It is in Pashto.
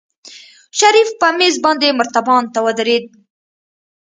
شريف په مېز باندې مرتبان ته ودرېد.